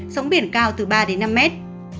sóng biển cao từ ba năm mét